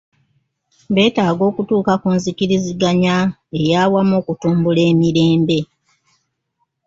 Betaaga okutuuka ku nzikiriziganya eyawamu okutumbula emirembe.